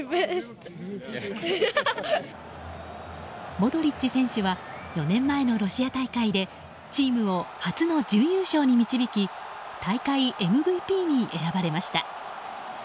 モドリッチ選手は４年前のロシア大会でチームを初の準優勝に導き大会ＭＶＰに選ばれました。